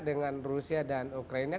dengan rusia dan ukraina